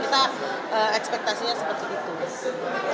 kita ekspektasinya seperti itu